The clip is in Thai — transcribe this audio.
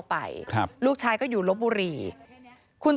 เผื่อเขายังไม่ได้งาน